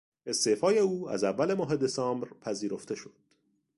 استعفای او از اول ماه دسامبر پذیرفته شد.